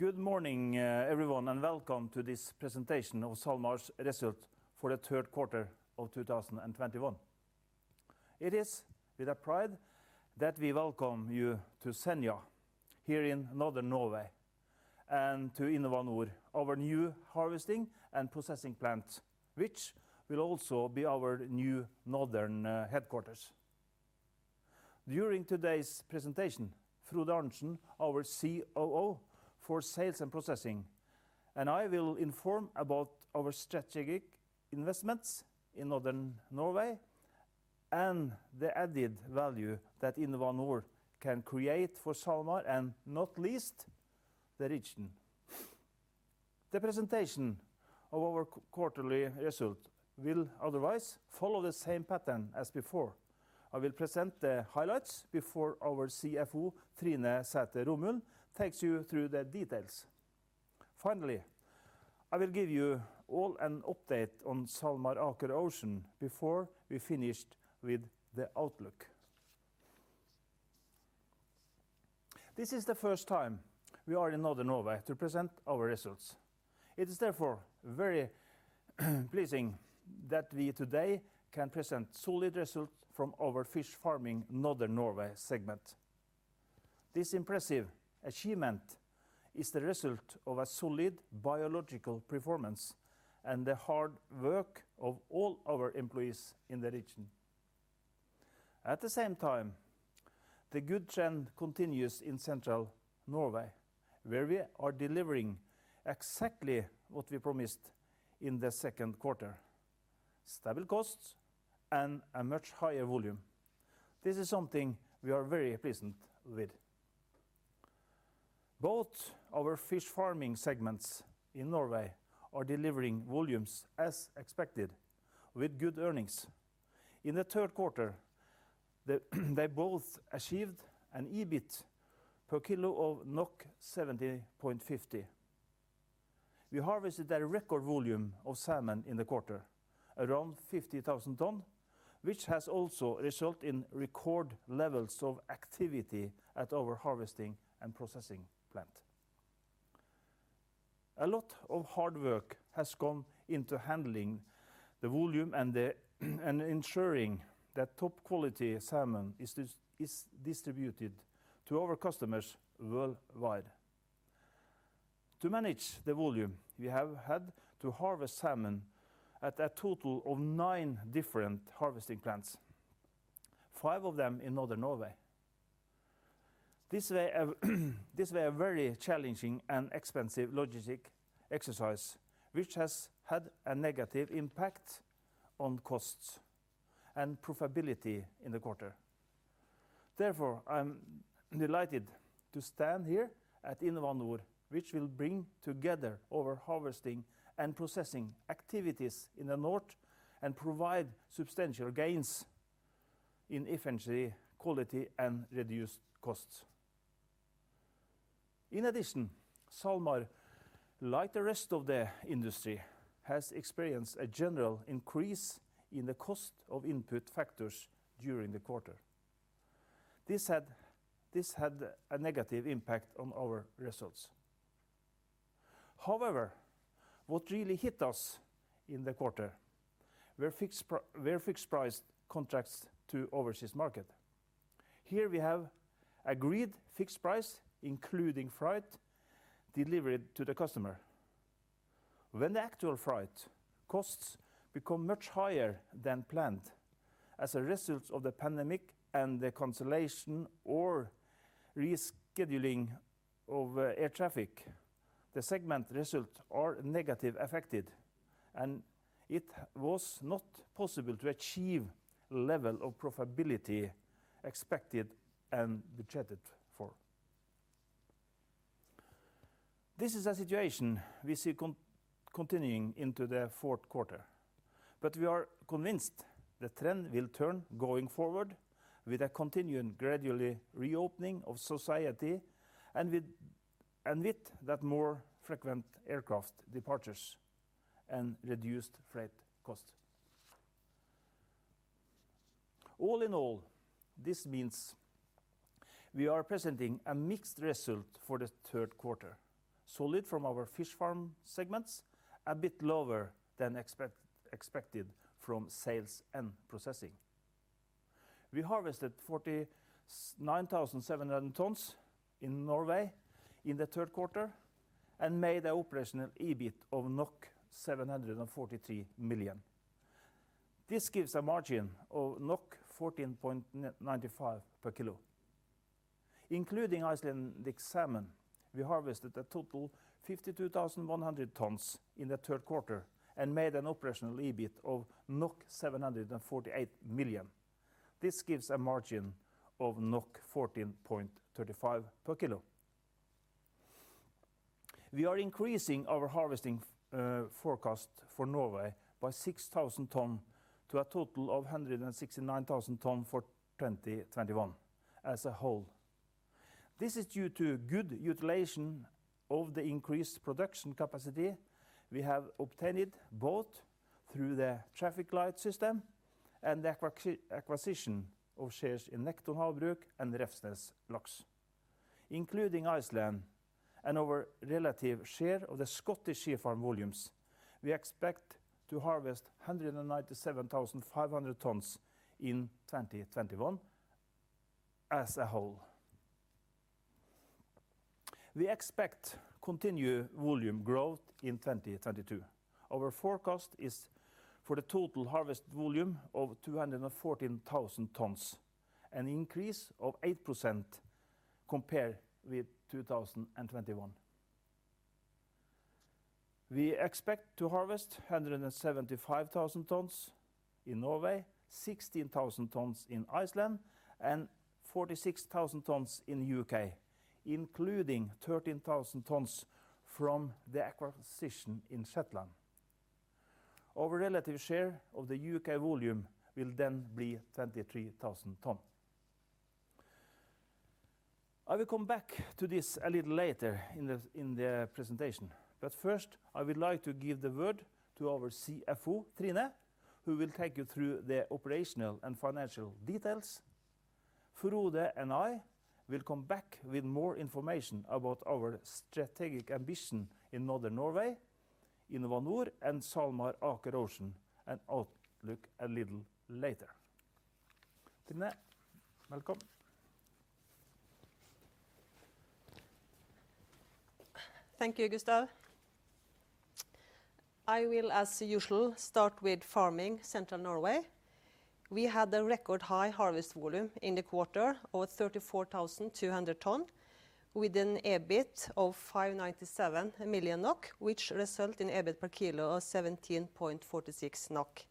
Good morning, everyone, and welcome to this presentation of SalMar's result for the third quarter of 2021. It is with a pride that we welcome you to Senja here in Northern Norway and to InnovaNor, our new harvesting and processing plant, which will also be our new northern headquarters. During today's presentation, Frode Arntsen, our COO for sales and processing, and I will inform about our strategic investments in Northern Norway and the added value that InnovaNor can create for SalMar and not least the region. The presentation of our quarterly result will otherwise follow the same pattern as before. I will present the highlights before our CFO, Trine Sæther Romuld, takes you through the details. Finally, I will give you all an update on SalMar Aker Ocean before we finish with the outlook. This is the first time we are in Northern Norway to present our results. It is therefore very pleasing that we today can present solid results from our Fish Farming Northern Norway segment. This impressive achievement is the result of a solid biological performance and the hard work of all our employees in the region. At the same time, the good trend continues in Central Norway, where we are delivering exactly what we promised in the second quarter, stable costs and a much higher volume. This is something we are very pleased with. Both our fish farming segments in Norway are delivering volumes as expected with good earnings. In the third quarter, they both achieved an EBIT per kilo of 70.50. We harvested a record volume of salmon in the quarter, around 50,000 tons, which has also resulted in record levels of activity at our harvesting and processing plant. A lot of hard work has gone into handling the volume and ensuring that top quality salmon is distributed to our customers worldwide. To manage the volume, we have had to harvest salmon at a total of nine different harvesting plants, five of them in Northern Norway. This was a very challenging and expensive logistic exercise, which has had a negative impact on costs and profitability in the quarter. Therefore, I'm delighted to stand here at InnovaNor, which will bring together our harvesting and processing activities in the north and provide substantial gains in efficiency, quality, and reduced costs. In addition, SalMar, like the rest of the industry, has experienced a general increase in the cost of input factors during the quarter. This had a negative impact on our results. However, what really hit us in the quarter were fixed price contracts to overseas market. Here we have agreed fixed price, including freight delivered to the customer. When the actual freight costs become much higher than planned as a result of the pandemic and the cancellation or rescheduling of air traffic, the segment results are negatively affected, and it was not possible to achieve level of profitability expected and budgeted for. This is a situation we see continuing into the fourth quarter, but we are convinced the trend will turn going forward with a continuing gradually reopening of society and with that more frequent aircraft departures and reduced freight costs. All in all, this means we are presenting a mixed result for the third quarter, solid from our fish farm segments, a bit lower than expected from sales and processing. We harvested 49,700 tons in Norway in the third quarter and made an operational EBIT of 743 million. This gives a margin of 14.95 per kilo. Including Icelandic Salmon, we harvested a total 52,100 tons in the third quarter and made an operational EBIT of 748 million. This gives a margin of 14.35 per kilo. We are increasing our harvesting forecast for Norway by 6,000 tons to a total of 169,000 tons for 2021 as a whole. This is due to good utilization of the increased production capacity we have obtained both through the traffic light system and the acquisition of shares in Nekton Havbruk and Refsnes Laks. Including Iceland and our relative share of the Scottish Sea Farms volumes, we expect to harvest 197,500 tons in 2021 as a whole. We expect continued volume growth in 2022. Our forecast is for the total harvest volume of 214,000 tons, an increase of 8% compared with 2021. We expect to harvest 175,000 tons in Norway, 16,000 tons in Iceland, and 46,000 tons in the U.K., including 13,000 tons from the acquisition in Shetland. Our relative share of the U.K. volume will then be 23,000 tons. I will come back to this a little later in the presentation. First, I would like to give the word to our CFO, Trine, who will take you through the operational and financial details. Frode and I will come back with more information about our strategic ambition in Northern Norway, InnovaNor, SalMar Aker Ocean, and outlook a little later. Trine, welcome. Thank you, Gustav. I will, as usual, start with farming Central Norway. We had a record high harvest volume in the quarter of 34,200 tons, with an EBIT of 597 million NOK, which result in EBIT per kilo of 17.46 NOK.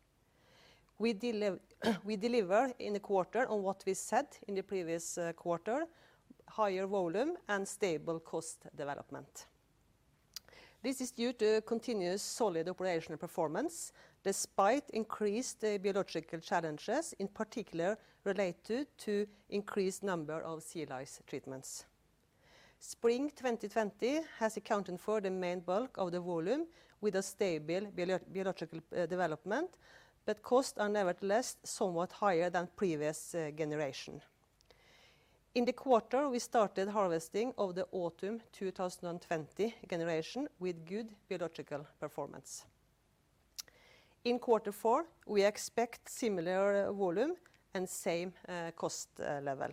We deliver in the quarter on what we said in the previous quarter, higher volume and stable cost development. This is due to a continuous solid operational performance despite increased biological challenges, in particular related to increased number of sea lice treatments. Spring 2020 has accounted for the main bulk of the volume with a stable biological development, but costs are nevertheless somewhat higher than previous generation. In the quarter, we started harvesting of the autumn 2020 generation with good biological performance. In quarter four, we expect similar volume and same cost level.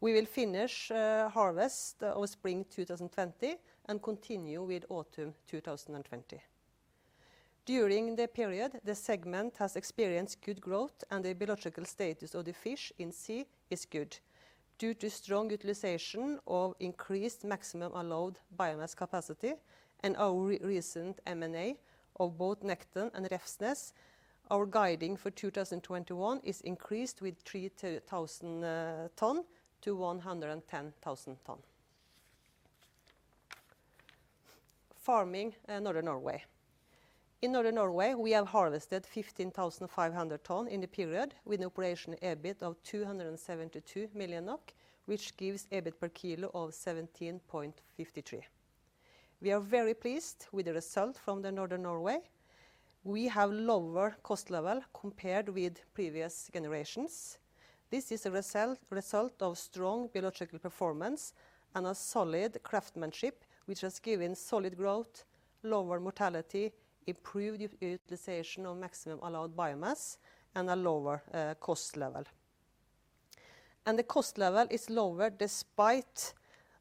We will finish harvest of spring 2020 and continue with autumn 2020. During the period, the segment has experienced good growth and the biological status of the fish in sea is good. Due to strong utilization of increased maximum allowed biomass capacity and our recent M&A of both Nekton and Refsnes, our guidance for 2021 is increased with 3,000 tons to 110,000 tons. Farming in Northern Norway. In Northern Norway, we have harvested 15,500 tons in the period with an operational EBIT of 272 million NOK, which gives EBIT per kilo of 17.53. We are very pleased with the result from Northern Norway. We have lower cost level compared with previous generations. This is a result of strong biological performance and a solid craftsmanship, which has given solid growth, lower mortality, improved utilization of maximum allowed biomass, and a lower cost level. The cost level is lower despite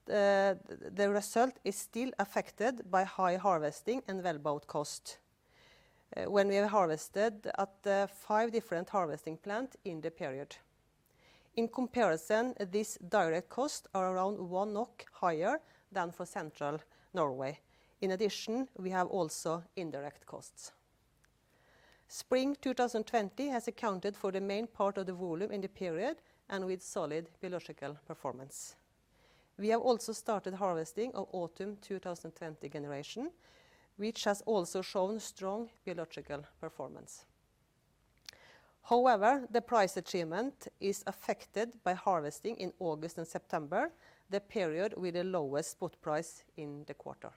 the result is still affected by high harvesting and wellboat costs when we have harvested at the five different harvesting plants in the period. In comparison, these direct costs are around 1.00 NOK higher than for Central Norway. In addition, we have also indirect costs. Spring 2020 has accounted for the main part of the volume in the period and with solid biological performance. We have also started harvesting of autumn 2020 generation, which has also shown strong biological performance. However, the price achievement is affected by harvesting in August and September, the period with the lowest spot price in the quarter.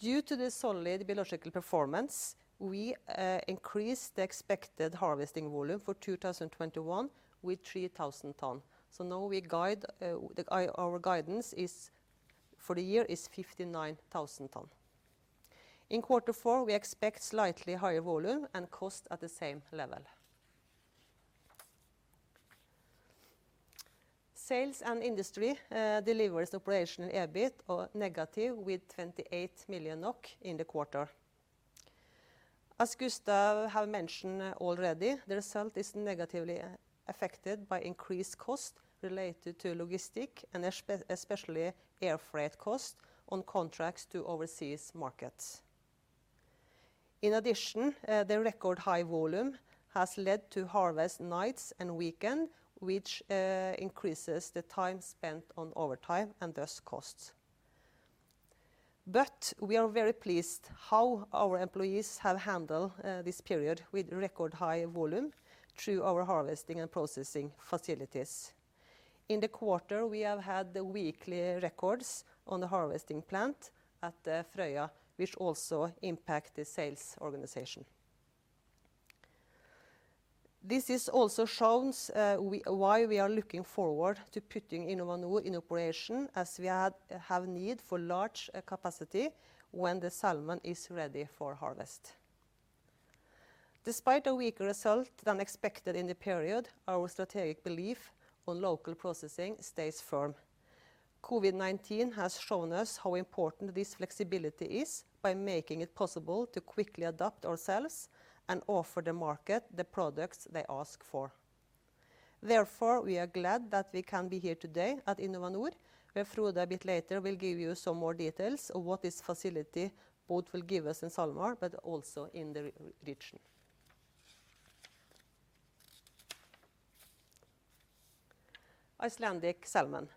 Due to the solid biological performance, we increased the expected harvesting volume for 2021 with 3,000 tons. Now we guide our guidance is for the year 59,000 tons. In quarter four, we expect slightly higher volume and costs at the same level. Sales and industry delivers operational EBIT of negative 28 million NOK in the quarter. As Gustav has mentioned already, the result is negatively affected by increased costs related to logistics and especially air freight costs on contracts to overseas markets. In addition, the record high volume has led to harvesting nights and weekends, which increases the time spent on overtime and thus costs. We are very pleased with how our employees have handled this period with record high volume through our harvesting and processing facilities. In the quarter, we have had the weekly records on the harvesting plant at Frøya, which also impact the sales organization. This also shows why we are looking forward to putting InnovaNor in operation as we have need for large capacity when the salmon is ready for harvest. Despite a weaker result than expected in the period, our strategic belief in local processing stays firm. COVID-19 has shown us how important this flexibility is by making it possible to quickly adapt ourselves and offer the market the products they ask for. Therefore, we are glad that we can be here today at InnovaNor, where Frode a bit later will give you some more details on what this facility both will give us in SalMar but also in the region. Icelandic Salmon.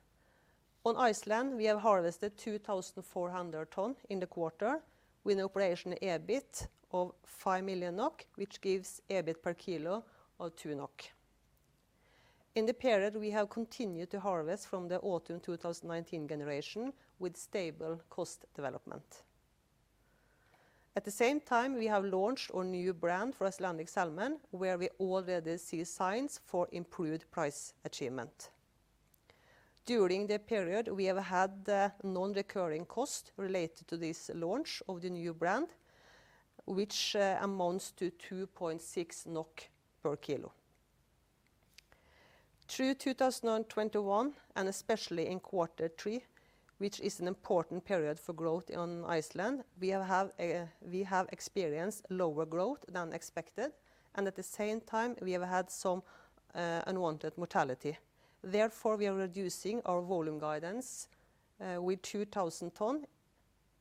In Iceland, we have harvested 2,400 tons in the quarter with an operational EBIT of 5 million NOK, which gives EBIT per kilo of 2.00 NOK. In the period, we have continued to harvest from the autumn 2019 generation with stable cost development. At the same time, we have launched our new brand for Icelandic Salmon, where we already see signs for improved price achievement. During the period, we have had the non-recurring cost related to this launch of the new brand, which amounts to 2.6 NOK per kilo. Through 2021, and especially in quarter three, which is an important period for growth in Iceland, we have experienced lower growth than expected, and at the same time, we have had some unwanted mortality. Therefore, we are reducing our volume guidance with 2,000 tons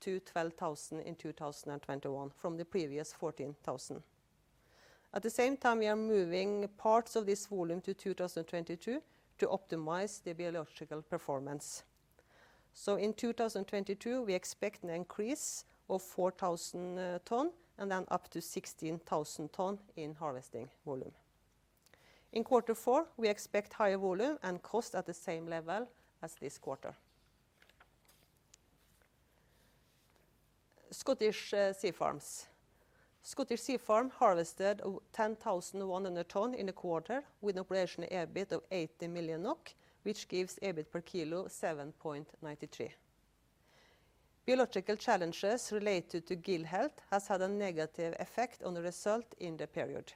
to 12,000 tons in 2021 from the previous 14,000 tons. At the same time, we are moving parts of this volume to 2022 to optimize the biological performance. In 2022, we expect an increase of 4,000 tons and then up to 16,000 tons in harvesting volume. In quarter four, we expect higher volume and cost at the same level as this quarter. Scottish Sea Farms. Scottish Sea Farms harvested 10,100 tons in the quarter with an operational EBIT of 80 million NOK, which gives EBIT per kilo 7.93. Biological challenges related to gill health has had a negative effect on the result in the period.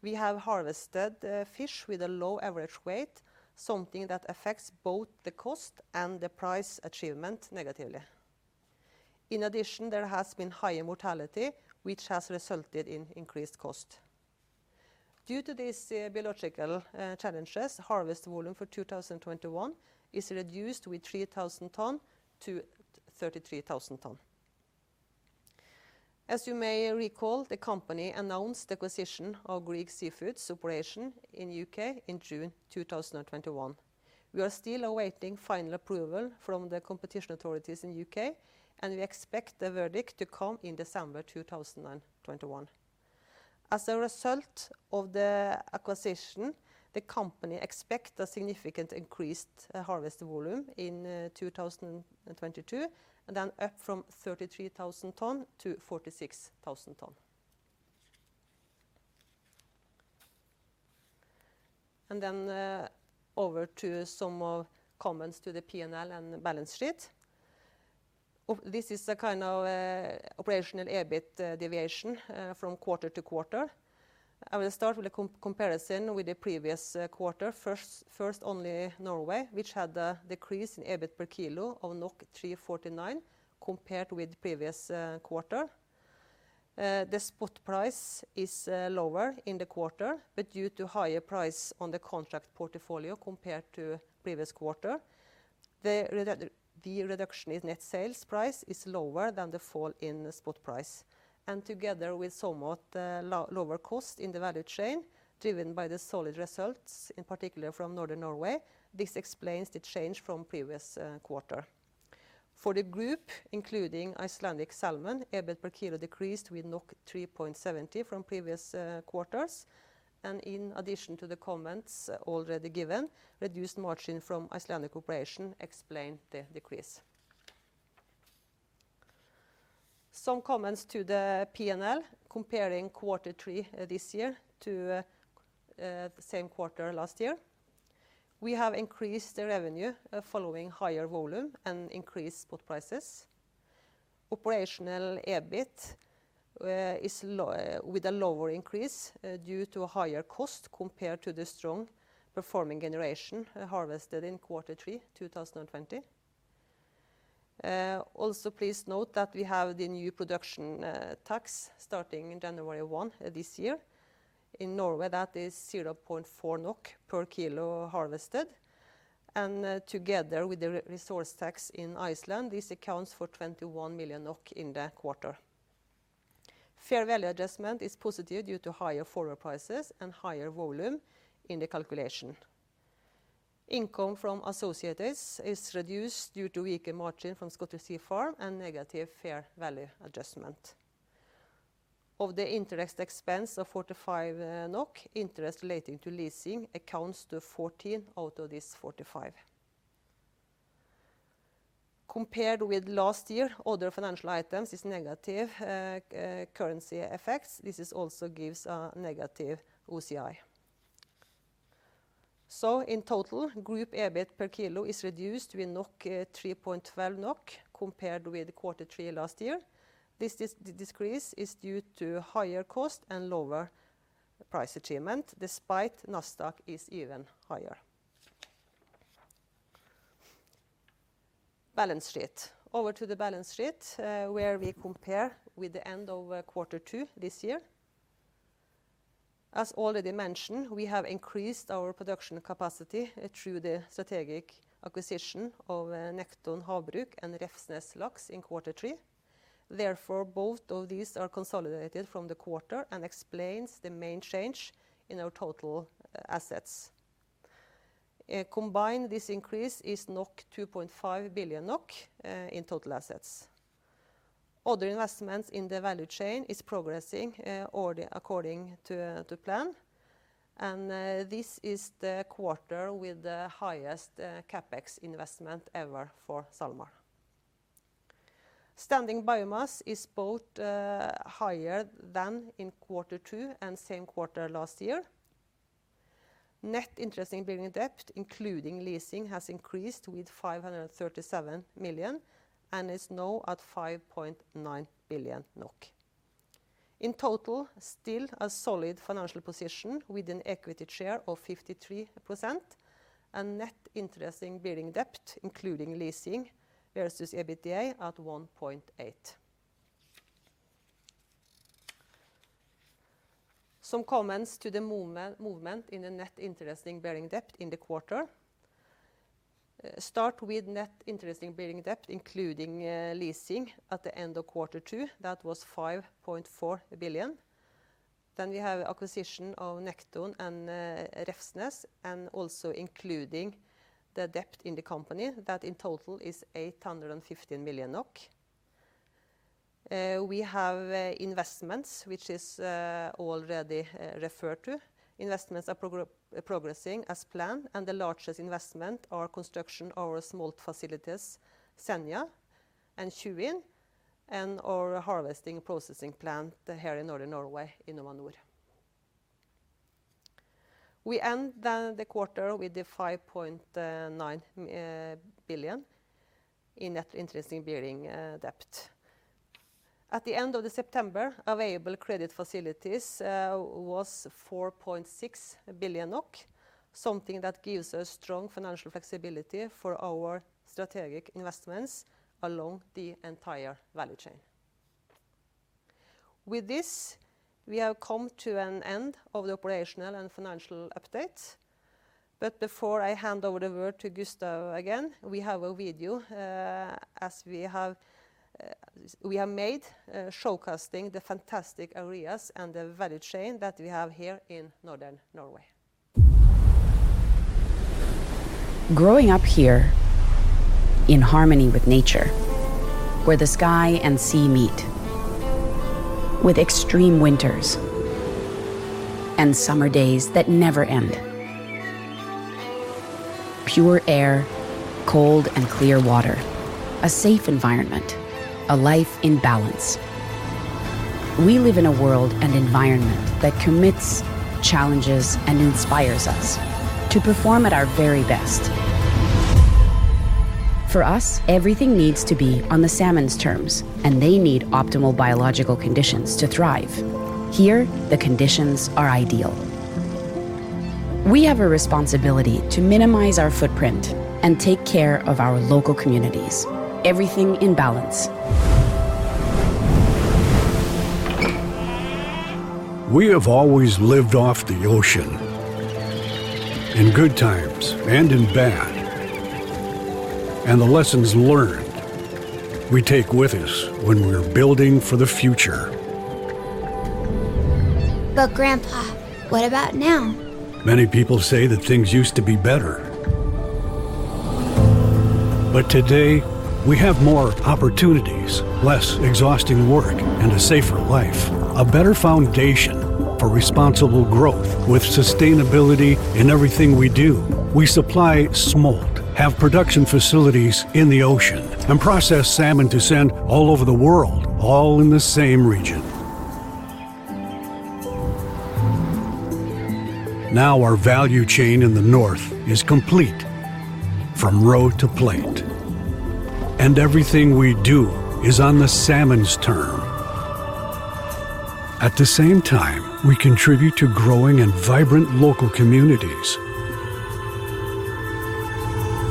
We have harvested the fish with a low average weight, something that affects both the cost and the price achievement negatively. In addition, there has been high mortality, which has resulted in increased cost. Due to these biological challenges, harvest volume for 2021 is reduced with 3,000 tons to 33,000 tons. As you may recall, the company announced the acquisition of Grieg Seafood's operations in U.K. in June 2021. We are still awaiting final approval from the competition authorities in U.K., and we expect the verdict to come in December 2021. As a result of the acquisition, the company expect a significant increased harvest volume in 2022, and then up from 33,000 tons to 46,000 tons. Over to some comments to the P&L and the balance sheet. This is a kind of operational EBIT deviation from quarter to quarter. I will start with a comparison with the previous quarter. First only Norway, which had a decrease in EBIT per kilo of 349 compared with previous quarter. The spot price is lower in the quarter, but due to higher price on the contract portfolio compared to previous quarter, the reduction in net sales price is lower than the fall in the spot price. Together with somewhat lower cost in the value chain, driven by the solid results, in particular from Northern Norway, this explains the change from previous quarter. For the group, including Icelandic Salmon, EBIT per kilo decreased with 3.70 from previous quarters. In addition to the comments already given, reduced margin from Icelandic operation explained the decrease. Some comments to the P&L comparing quarter three this year to the same quarter last year. We have increased the revenue following higher volume and increased spot prices. Operational EBIT is lower with a lower increase due to higher cost compared to the strong performing generation harvested in quarter three 2020. Also please note that we have the new production tax starting in January 1 this year. In Norway, that is 0.4 NOK per kilo harvested. Together with the resource rent tax in Iceland, this accounts for 21 million NOK in the quarter. Fair value adjustment is positive due to higher forward prices and higher volume in the calculation. Income from associates is reduced due to weaker margin from Scottish Sea Farms and negative fair value adjustment. Of the interest expense of 45 million NOK, interest relating to leasing amounts to 14 million out of this 45 million. Compared with last year, other financial items is negative. Currency effects, this also gives a negative OCI. In total, group EBIT per kilo is reduced with 3.12 NOK compared with quarter three last year. This decrease is due to higher cost and lower price achievement despite NOK stock is even higher. Balance sheet. Over to the balance sheet, where we compare with the end of quarter two this year. As already mentioned, we have increased our production capacity through the strategic acquisition of Nekton Havbruk and the Refsnes Laks in quarter three. Therefore, both of these are consolidated from the quarter and explains the main change in our total assets. Combined, this increase is 2.5 billion NOK in total assets. Other investments in the value chain is progressing according to plan. This is the quarter with the highest CapEx investment ever for SalMar. Standing biomass is both higher than in quarter two and same quarter last year. Net interest-bearing debt, including leasing, has increased with 537 million and is now at 5.9 billion NOK. In total, still a solid financial position with an equity share of 53% and net interest-bearing debt, including leasing versus EBITDA at NOK 1.8 billion. Some comments to the movement in the net interest-bearing debt in the quarter. Start with net interest-bearing debt, including leasing at the end of quarter two. That was 5.4 billion. Then we have acquisition of Nekton and Refsnes, and also including the debt in the company that in total is 815 million NOK. We have investments which is already referred to. Investments are progressing as planned, and the largest investment are construction our smolt facilities, Senja and Tjuin, and our harvesting processing plant here in Northern Norway in InnovaNor. We end the quarter with 5.9 billion in net interest-bearing debt. At the end of September, available credit facilities was 4.6 billion NOK, something that gives us strong financial flexibility for our strategic investments along the entire value chain. With this, we have come to an end of the operational and financial updates. Before I hand over the word to Gustav again, we have a video we have made showcasing the fantastic areas and the value chain that we have here in Northern Norway. Growing up here in harmony with nature, where the sky and sea meet. With extreme winters and summer days that never end. Pure air, cold and clear water, a safe environment, a life in balance. We live in a world and environment that commits, challenges, and inspires us to perform at our very best. For us, everything needs to be on the salmon's terms, and they need optimal biological conditions to thrive. Here, the conditions are ideal. We have a responsibility to minimize our footprint and take care of our local communities. Everything in balance. We have always lived off the ocean, in good times and in bad. The lessons learned, we take with us when we're building for the future. Grandpa, what about now? Many people say that things used to be better. Today, we have more opportunities, less exhausting work, and a safer life, a better foundation for responsible growth with sustainability in everything we do. We supply smolt, have production facilities in the ocean, and process salmon to send all over the world, all in the same region. Now our value chain in the north is complete from roe to plate, and everything we do is on the salmon's terms. At the same time, we contribute to growing and vibrant local communities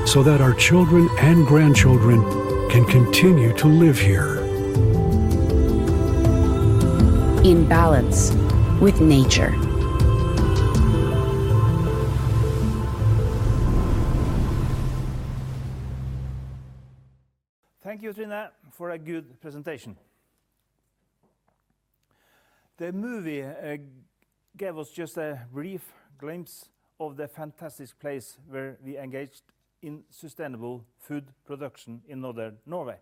so that our children and grandchildren can continue to live here. In balance with nature. Thank you, Trine, for a good presentation. The movie gave us just a brief glimpse of the fantastic place where we engaged in sustainable food production in Northern Norway.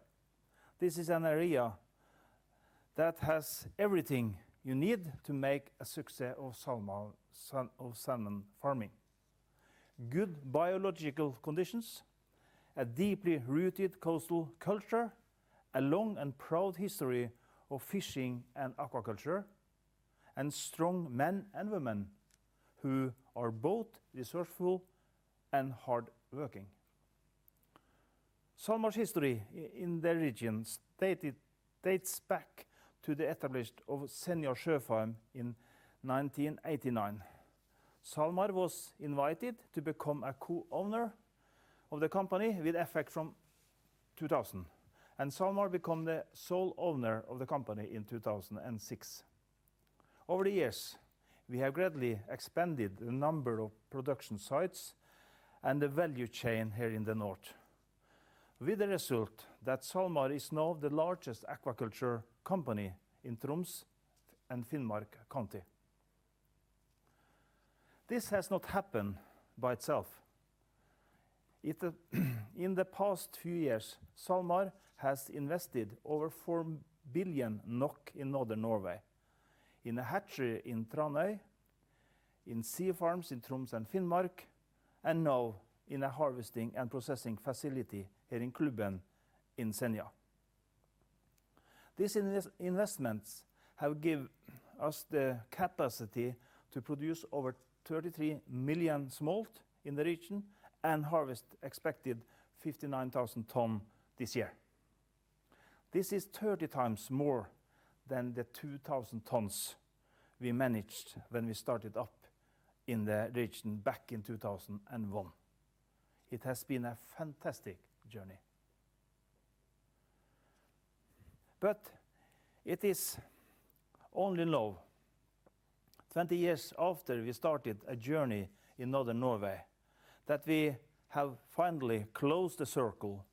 This is an area that has everything you need to make a success of SalMar Salmon Farming. Good biological conditions, a deeply rooted coastal culture, a long and proud history of fishing and aquaculture, and strong men and women who are both resourceful and hard working. SalMar's history in the region dates back to the establishment of Senja Sjøfarm in 1989. SalMar was invited to become a co-owner of the company with effect from 2000, and SalMar became the sole owner of the company in 2006. Over the years, we have greatly expanded the number of production sites and the value chain here in the north, with the result that SalMar is now the largest aquaculture company in Troms and Finnmark County. This has not happened by itself. It, in the past two years, SalMar has invested over 4 billion NOK in Northern Norway. In a hatchery in Tranøy, in sea farms in Troms and Finnmark, and now in a harvesting and processing facility here in Klubben in Senja. These investments have given us the capacity to produce over 33 million smolt in the region and harvest expected 59,000 tons this year. This is 30 times more than the 2,000 tons we managed when we started up in the region back in 2001. It has been a fantastic journey. It is only now, 20 years after we started a journey in Northern Norway, that we have finally closed the circle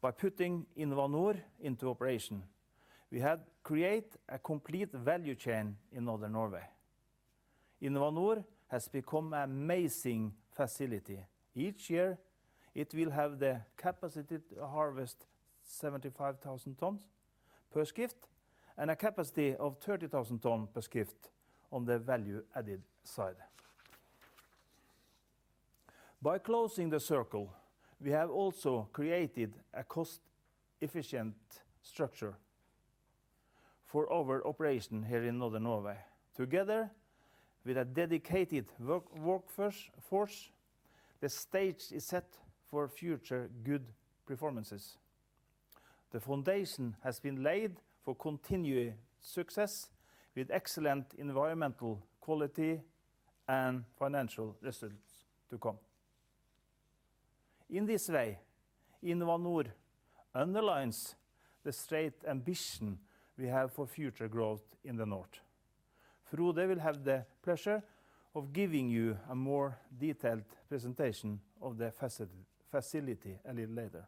by putting InnovaNor into operation. We have created a complete value chain in Northern Norway. InnovaNor has become an amazing facility. Each year, it will have the capacity to harvest 75,000 tons per shift and a capacity of 30,000 tons per shift on the value added side. By closing the circle, we have also created a cost efficient structure for our operation here in Northern Norway. Together with a dedicated workforce, the stage is set for future good performances. The foundation has been laid for continued success with excellent environmental quality and financial results to come. In this way, InnovaNor underlines the straight ambition we have for future growth in the north. Frode will have the pleasure of giving you a more detailed presentation of the facility a little later.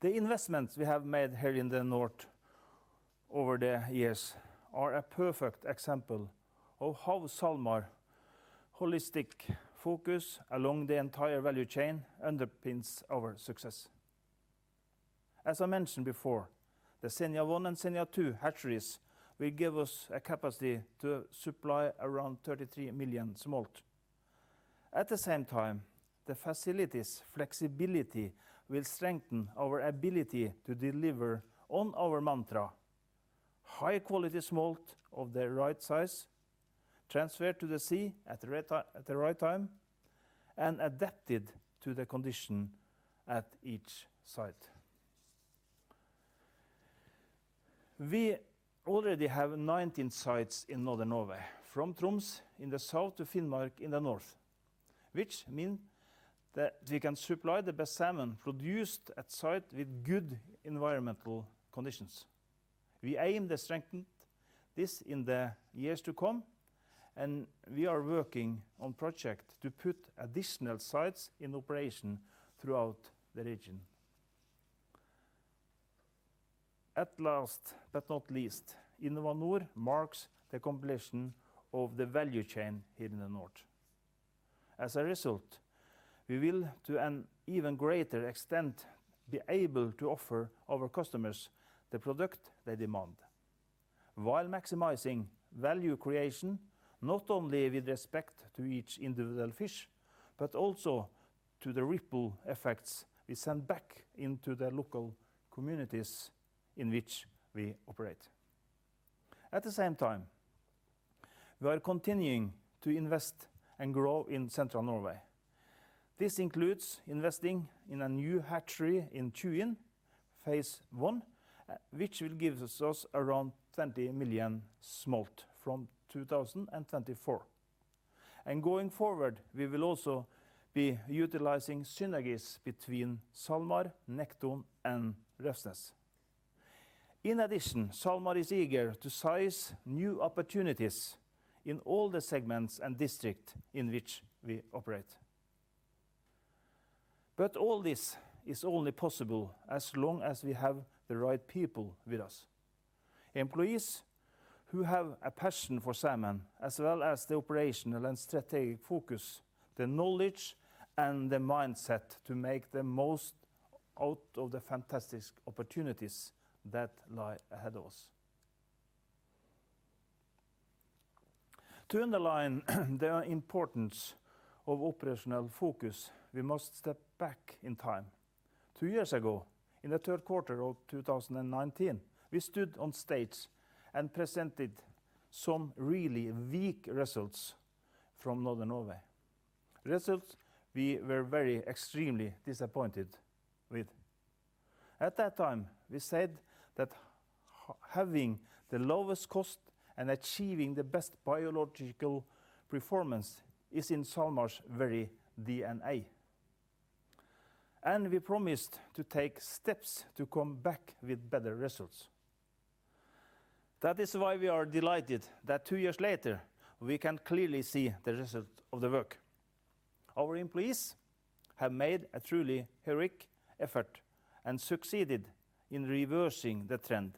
The investments we have made here in the north over the years are a perfect example of how SalMar holistic focus along the entire value chain underpins our success. As I mentioned before, the Senja 1 and Senja 2 hatcheries will give us a capacity to supply around 33 million smolt. At the same time, the facility's flexibility will strengthen our ability to deliver on our mantra high quality smolt of the right size, transferred to the sea at the right time, and adapted to the condition at each site. We already have 19 sites in Northern Norway, from Troms in the south to Finnmark in the north, which mean that we can supply the best salmon produced at site with good environmental conditions. We aim to strengthen this in the years to come, and we are working on project to put additional sites in operation throughout the region. At last but not least, InnovaNor marks the completion of the value chain here in the north. As a result, we will, to an even greater extent, be able to offer our customers the product they demand while maximizing value creation, not only with respect to each individual fish, but also to the ripple effects we send back into the local communities in which we operate. At the same time, we are continuing to invest and grow in central Norway. This includes investing in a new hatchery in Tjuin, phase one, which will gives us around 20 million smolt from 2024. Going forward, we will also be utilizing synergies between SalMar, Nekton, and Refsnes. In addition, SalMar is eager to seize new opportunities in all the segments and district in which we operate. All this is only possible as long as we have the right people with us. Employees who have a passion for salmon, as well as the operational and strategic focus, the knowledge, and the mindset to make the most out of the fantastic opportunities that lie ahead of us. To underline the importance of operational focus, we must step back in time. Two years ago, in the third quarter of 2019, we stood on stage and presented some really weak results from Northern Norway. Results we were very extremely disappointed with. At that time, we said that having the lowest cost and achieving the best biological performance is in SalMar's very DNA. We promised to take steps to come back with better results. That is why we are delighted that two years later, we can clearly see the result of the work. Our employees have made a truly heroic effort and succeeded in reversing the trend.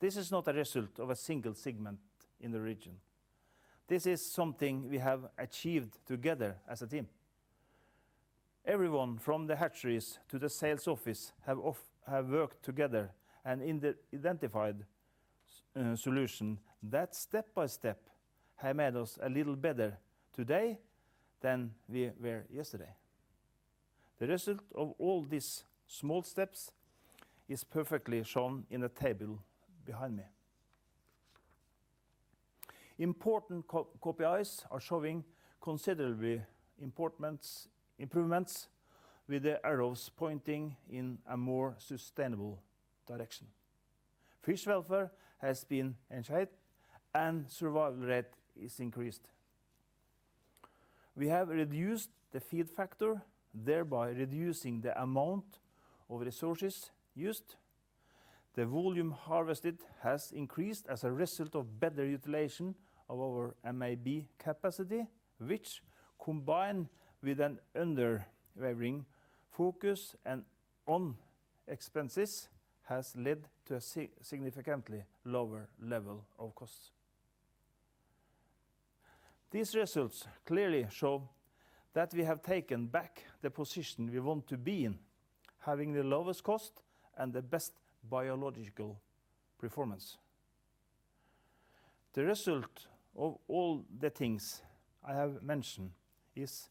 This is not a result of a single segment in the region. This is something we have achieved together as a team. Everyone from the hatcheries to the sales office have worked together and identified solution that step by step have made us a little better today than we were yesterday. The result of all these small steps is perfectly shown in the table behind me. Important KPIs are showing considerably improvements with the arrows pointing in a more sustainable direction. Fish welfare has been enhanced and survival rate is increased. We have reduced the feed factor, thereby reducing the amount of resources used. The volume harvested has increased as a result of better utilization of our MAB capacity, which combined with an unwavering focus and on expenses, has led to a significantly lower level of costs. These results clearly show that we have taken back the position we want to be in, having the lowest cost and the best biological performance. The results of all the things I have mentioned is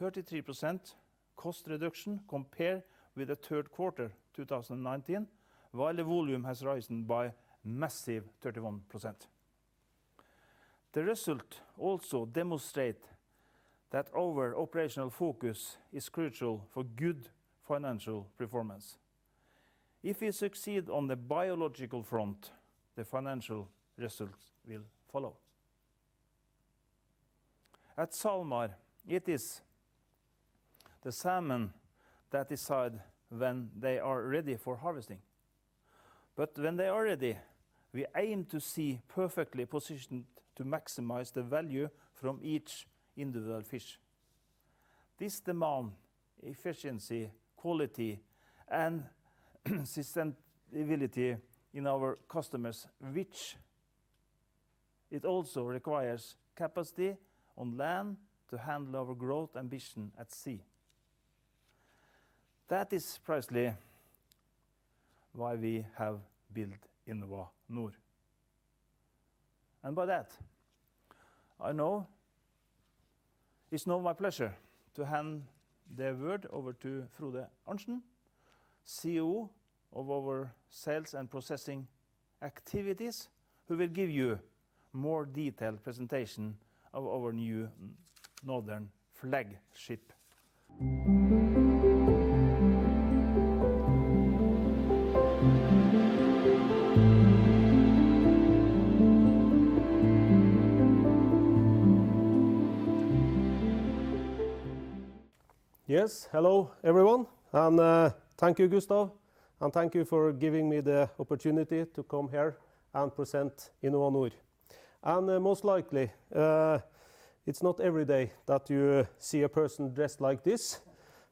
a 33% cost reduction compared with Q3 2019, while the volume has risen by a massive 31%. The results also demonstrate that our operational focus is crucial for good financial performance. If we succeed on the biological front, the financial results will follow. At SalMar, it is the salmon that decide when they are ready for harvesting. When they are ready, we aim to be perfectly positioned to maximize the value from each individual fish. This demands efficiency, quality, and sustainability for our customers, which also requires capacity on land to handle our growth ambition at sea. That is precisely why we have built InnovaNor. It's now my pleasure to hand the word over to Frode Arntsen, COO of our Sales and Processing activities, who will give you more detailed presentation of our new northern flagship. Yes, hello everyone, thank you, Gustav, and thank you for giving me the opportunity to come here and present InnovaNor. Most likely, it's not every day that you see a person dressed like this,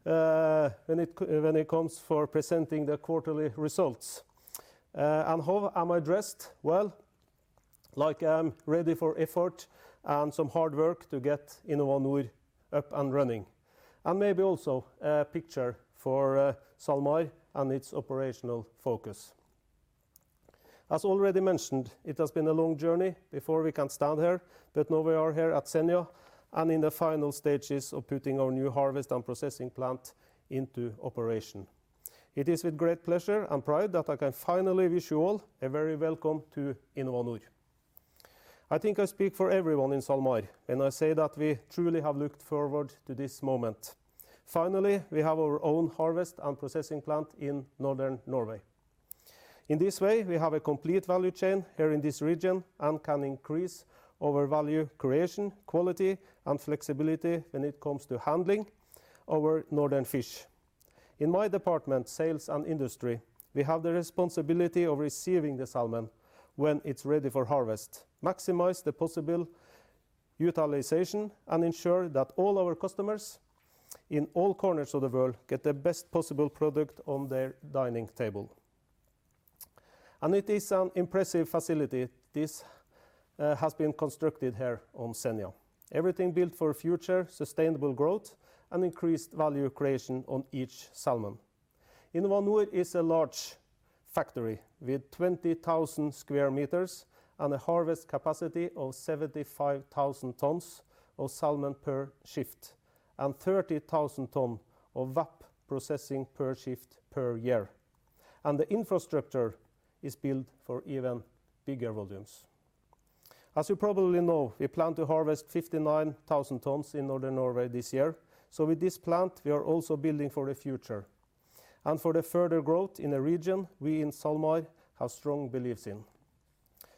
when it comes for presenting the quarterly results. How am I dressed? Well, like I'm ready for effort and some hard work to get InnovaNor up and running, and maybe also a picture for SalMar and its operational focus. As already mentioned, it has been a long journey before we can stand here, but now we are here at Senja and in the final stages of putting our new harvest and processing plant into operation. It is with great pleasure and pride that I can finally wish you all a very welcome to InnovaNor. I think I speak for everyone in SalMar when I say that we truly have looked forward to this moment. Finally, we have our own harvest and processing plant in northern Norway. In this way, we have a complete value chain here in this region and can increase our value creation, quality, and flexibility when it comes to handling our northern fish. In my department, sales and industry, we have the responsibility of receiving the salmon when it's ready for harvest, maximize the possible utilization, and ensure that all our customers in all corners of the world get the best possible product on their dining table. It is an impressive facility. This has been constructed here on Senja. Everything built for future sustainable growth and increased value creation on each salmon. InnovaNor is a large factory with 20,000 sq m and a harvest capacity of 75,000 tons of salmon per shift and 30,000 tons of VAP processing per shift per year. The infrastructure is built for even bigger volumes. As you probably know, we plan to harvest 59,000 tons in Northern Norway this year. With this plant, we are also building for the future and for the further growth in the region we in SalMar have strong beliefs in.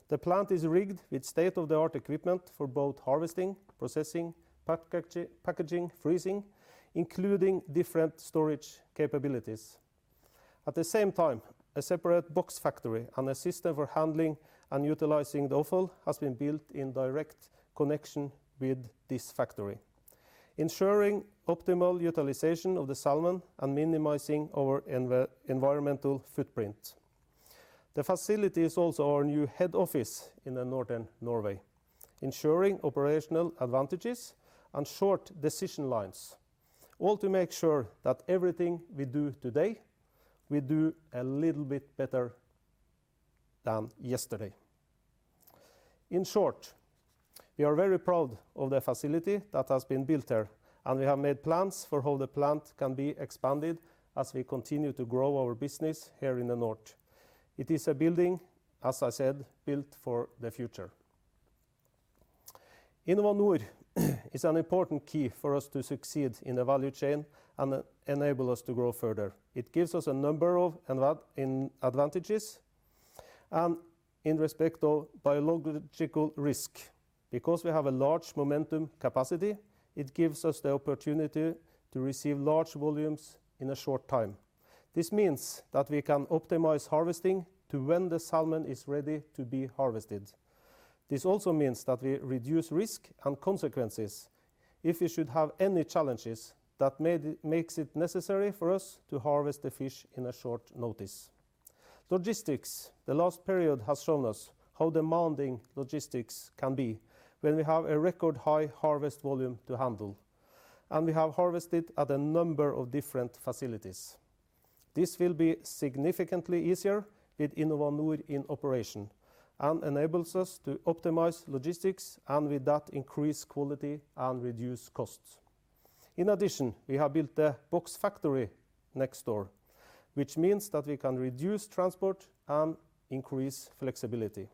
The plant is rigged with state-of-the-art equipment for both harvesting, processing, packaging, freezing, including different storage capabilities. At the same time, a separate box factory and a system for handling and utilizing the offal has been built in direct connection with this factory, ensuring optimal utilization of the salmon and minimizing our environmental footprint. The facility is also our new head office in northern Norway, ensuring operational advantages and short decision lines, all to make sure that everything we do today, we do a little bit better than yesterday. In short, we are very proud of the facility that has been built here, and we have made plans for how the plant can be expanded as we continue to grow our business here in the north. It is a building, as I said, built for the future. InnovaNor is an important key for us to succeed in the value chain and enable us to grow further. It gives us a number of advantages in respect of biological risk. Because we have a large harvesting capacity, it gives us the opportunity to receive large volumes in a short time. This means that we can optimize harvesting to when the salmon is ready to be harvested. This also means that we reduce risk and consequences if we should have any challenges that makes it necessary for us to harvest the fish on short notice. Logistics. The last period has shown us how demanding logistics can be when we have a record high harvest volume to handle, and we have harvested at a number of different facilities. This will be significantly easier with InnovaNor in operation and enables us to optimize logistics and with that increase quality and reduce costs. In addition, we have built a box factory next door, which means that we can reduce transport and increase flexibility.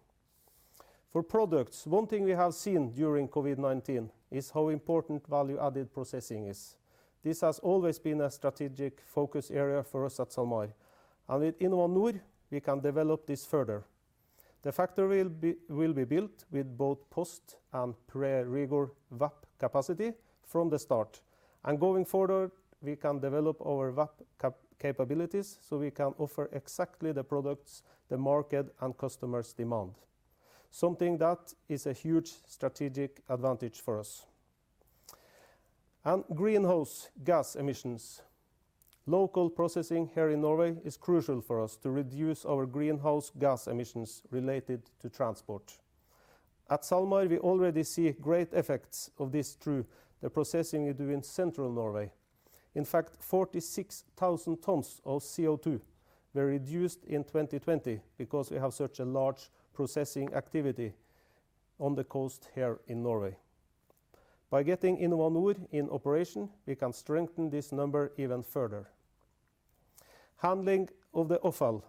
For products, one thing we have seen during COVID-19 is how important value added processing is. This has always been a strategic focus area for us at SalMar, and with InnovaNor we can develop this further. The factory will be built with both post- and pre-rigor VAP capacity from the start. Going forward, we can develop our VAP capabilities so we can offer exactly the products the market and customers demand, something that is a huge strategic advantage for us. Greenhouse gas emissions. Local processing here in Norway is crucial for us to reduce our greenhouse gas emissions related to transport. At SalMar, we already see great effects of this through the processing we do in Northern Norway. In fact, 46,000 tons of CO2 were reduced in 2020 because we have such a large processing activity on the coast here in Norway. By getting InnovaNor in operation, we can strengthen this number even further. Handling of the offal.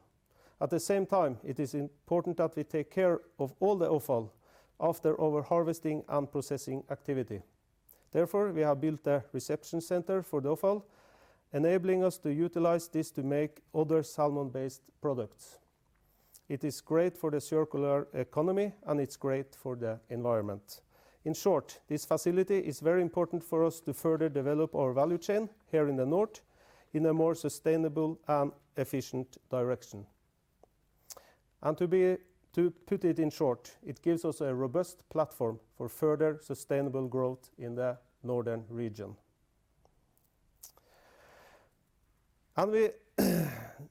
At the same time, it is important that we take care of all the offal after our harvesting and processing activity. Therefore, we have built a reception center for the offal, enabling us to utilize this to make other salmon-based products. It is great for the circular economy, and it's great for the environment. In short, this facility is very important for us to further develop our value chain here in the north in a more sustainable and efficient direction. To put it in short, it gives us a robust platform for further sustainable growth in the northern region.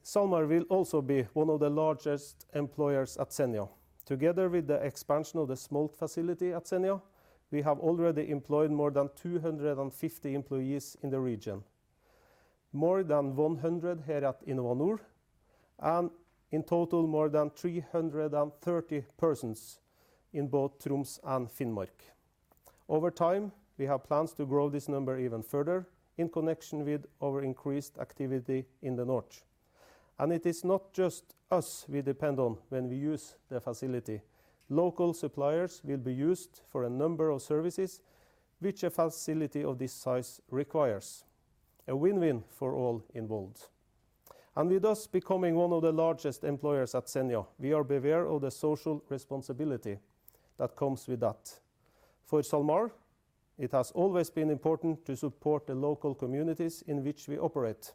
SalMar will also be one of the largest employers at Senja. Together with the expansion of the smolt facility at Senja, we have already employed more than 250 employees in the region. More than 100 here at InnovaNor, and in total more than 330 persons in both Troms and Finnmark. Over time, we have plans to grow this number even further in connection with our increased activity in the north. It is not just us we depend on when we use the facility. Local suppliers will be used for a number of services which a facility of this size requires, a win-win for all involved. With us becoming one of the largest employers at Senja, we are aware of the social responsibility that comes with that. For SalMar, it has always been important to support the local communities in which we operate.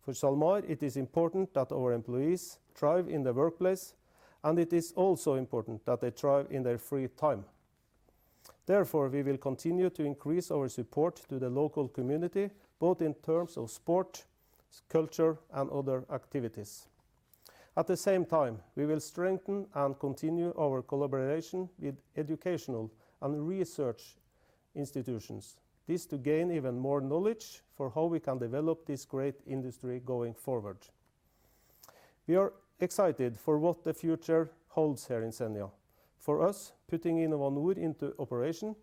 For SalMar, it is important that our employees thrive in the workplace, and it is also important that they thrive in their free time. Therefore, we will continue to increase our support to the local community, both in terms of sport, culture, and other activities. At the same time, we will strengthen and continue our collaboration with educational and research institutions. This to gain even more knowledge for how we can develop this great industry going forward. We are excited for what the future holds here in Senja. For us, putting InnovaNor into operation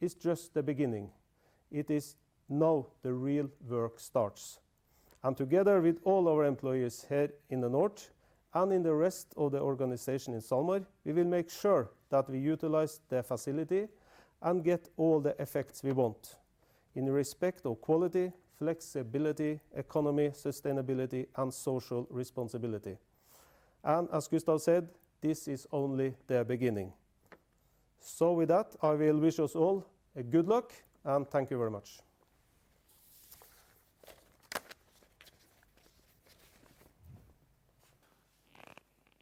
is just the beginning. It is now the real work starts. Together with all our employees here in the north and in the rest of the organization in SalMar, we will make sure that we utilize the facility and get all the effects we want in respect of quality, flexibility, economy, sustainability, and social responsibility. As Gustav said, this is only the beginning. With that, I will wish us all a good luck, and thank you very much.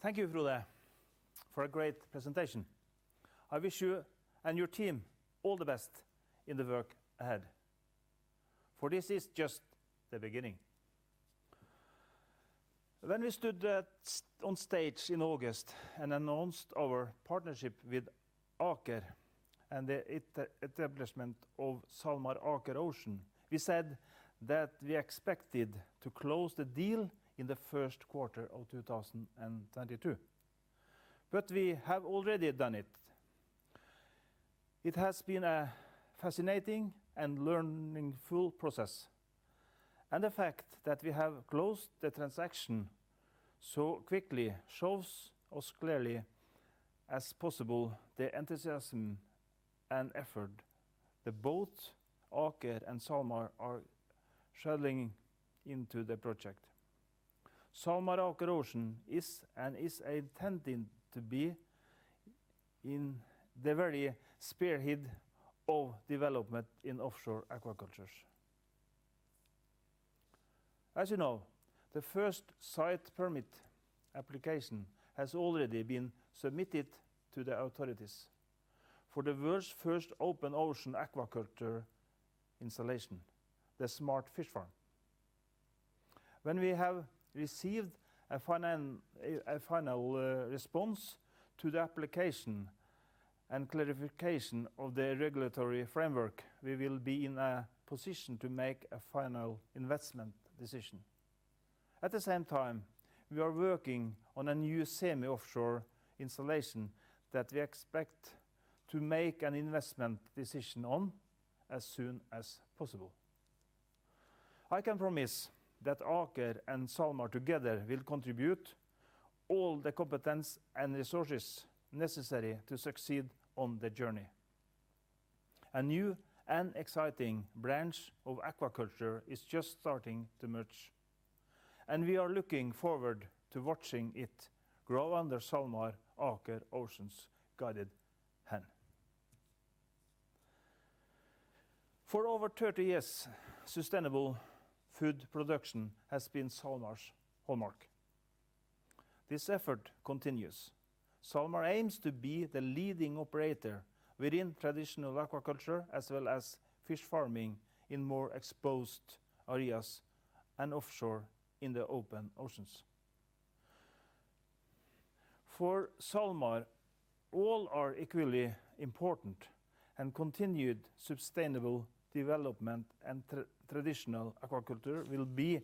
Thank you, Frode, for a great presentation. I wish you and your team all the best in the work ahead, for this is just the beginning. When we stood on stage in August and announced our partnership with Aker and the establishment of SalMar Aker Ocean, we said that we expected to close the deal in the first quarter of 2022. But we have already done it. It has been a fascinating and learning-filled process. The fact that we have closed the transaction so quickly shows as clearly as possible the enthusiasm and effort that both Aker and SalMar are channeling into the project. SalMar Aker Ocean is intending to be in the very spearhead of development in offshore aquaculture. As you know, the first site permit application has already been submitted to the authorities for the world's first open ocean aquaculture installation, the Smart Fish Farm. When we have received a final response to the application and clarification of the regulatory framework, we will be in a position to make a final investment decision. At the same time, we are working on a new semi-offshore installation that we expect to make an investment decision on as soon as possible. I can promise that Aker and SalMar together will contribute all the competence and resources necessary to succeed on the journey. A new and exciting branch of aquaculture is just starting to emerge, and we are looking forward to watching it grow under SalMar Aker Ocean's guided hand. For over 30 years, sustainable food production has been SalMar's hallmark. This effort continues. SalMar aims to be the leading operator within traditional aquaculture as well as fish farming in more exposed areas and offshore in the open oceans. For SalMar, all are equally important, and continued sustainable development and traditional aquaculture will be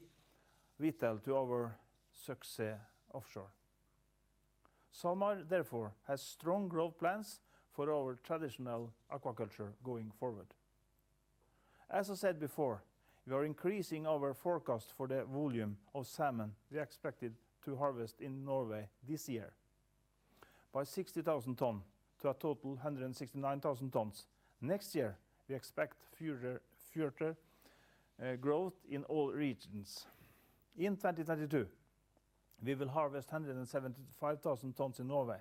vital to our success offshore. SalMar therefore has strong growth plans for our traditional aquaculture going forward. As I said before, we are increasing our forecast for the volume of salmon we expected to harvest in Norway this year by 60,000 tons to a total 169,000 tons. Next year, we expect further growth in all regions. In 2022, we will harvest 175,000 tons in Norway.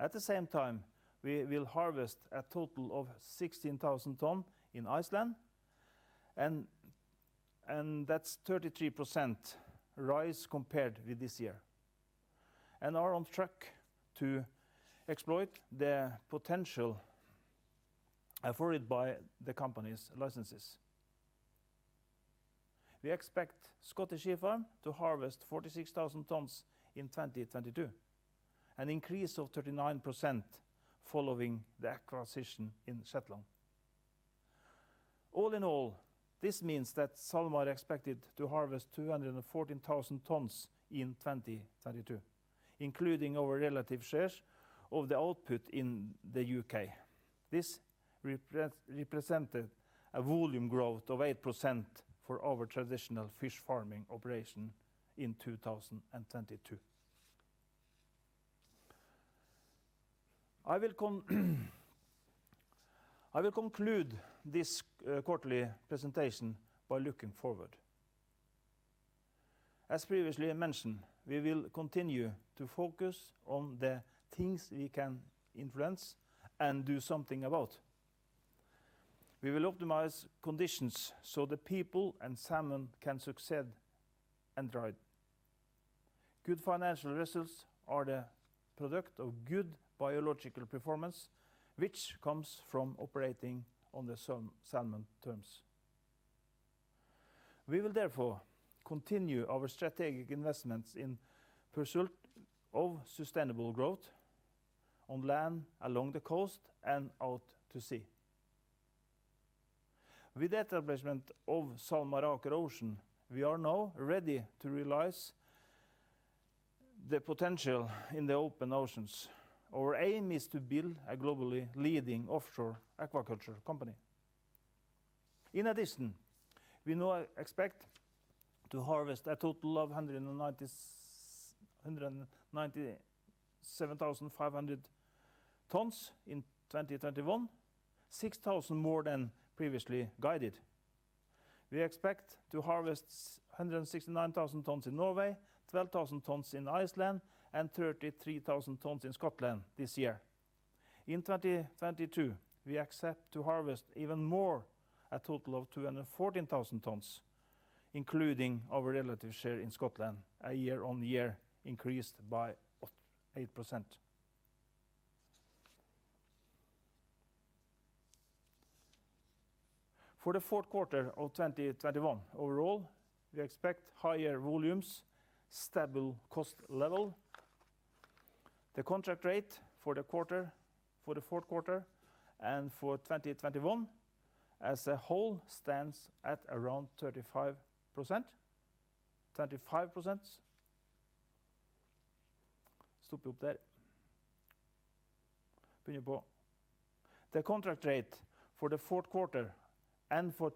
At the same time, we will harvest a total of 16,000 tons in Iceland, and that's 33% rise compared with this year and are on track to exploit the potential afforded by the company's licenses. We expect Scottish Sea Farms to harvest 46,000 tons in 2022, an increase of 39% following the acquisition in Shetland. All in all, this means that SalMar expected to harvest 214,000 tons in 2022, including our relative shares of the output in the U.K. This represented a volume growth of 8% for our traditional fish farming operation in 2022. I will conclude this quarterly presentation by looking forward. As previously mentioned, we will continue to focus on the things we can influence and do something about. We will optimize conditions so that people and salmon can succeed and thrive. Good financial results are the product of good biological performance, which comes from operating on the salmon terms. We will therefore continue our strategic investments in pursuit of sustainable growth on land, along the coast, and out to sea. With the establishment of SalMar Aker Ocean, we are now ready to realize the potential in the open oceans. Our aim is to build a globally leading offshore aquaculture company. In addition, we now expect to harvest a total of 197,500 tons in 2021, 6,000 more than previously guided. We expect to harvest 169,000 tons in Norway, 12,000 tons in Iceland, and 33,000 tons in Scotland this year. In 2022, we expect to harvest even more, a total of 214,000 tons, including our relative share in Scotland, a year-on-year increase by 8%. For the fourth quarter of 2021 overall, we expect higher volumes, stable cost level. The contract rate for the fourth quarter and for 2021 as a whole stands at around 25%.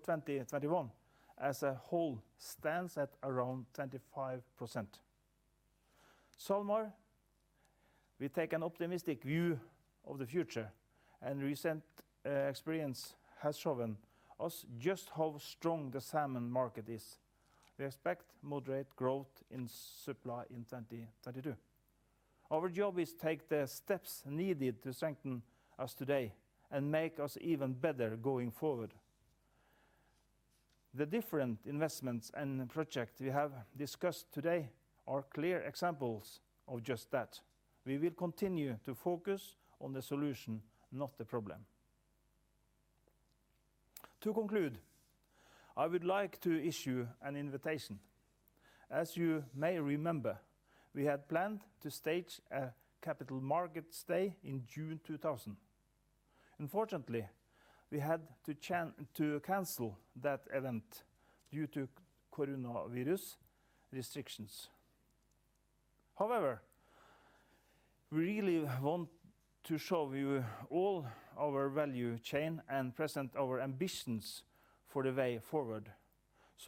SalMar, we take an optimistic view of the future, and recent experience has shown us just how strong the salmon market is. We expect moderate growth in supply in 2022. Our job is to take the steps needed to strengthen us today and make us even better going forward. The different investments and project we have discussed today are clear examples of just that. We will continue to focus on the solution, not the problem. To conclude, I would like to issue an invitation. As you may remember, we had planned to stage a capital markets day in June 2000. Unfortunately, we had to cancel that event due to coronavirus restrictions. However, we really want to show you all our value chain and present our ambitions for the way forward.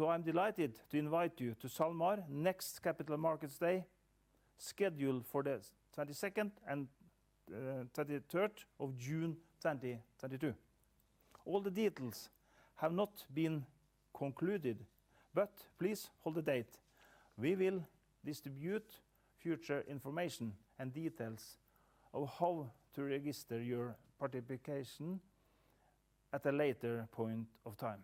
I'm delighted to invite you to SalMar next Capital Markets Day, scheduled for the 22nd and 23rd of June 2022. All the details have not been concluded, but please hold the date. We will distribute future information and details of how to register your participation at a later point of time.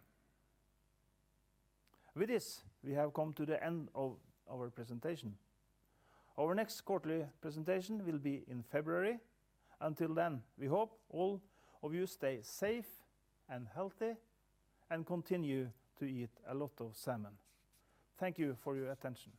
With this, we have come to the end of our presentation. Our next quarterly presentation will be in February. Until then, we hope all of you stay safe and healthy and continue to eat a lot of salmon. Thank you for your attention.